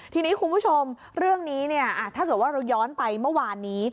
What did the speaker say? ทีนี้คุณผู้ชมเรื่องนี้เนี่ยถ้าเกิดว่าเราย้อนไปเมื่อวานนี้